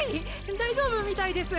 大丈夫みたいです。